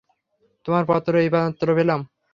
তোমার পত্র এই মাত্র পেলাম।